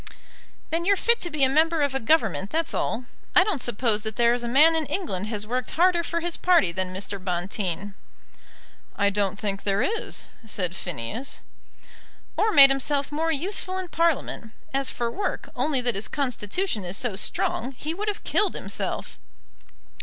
"Then you're fit to be a member of a Government, that's all. I don't suppose that there is a man in England has worked harder for his party than Mr. Bonteen." "I don't think there is," said Phineas. "Or made himself more useful in Parliament. As for work, only that his constitution is so strong, he would have killed himself."